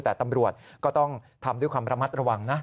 แต่ตำรวจก็ต้องทำด้วยความระมัดระวังนะ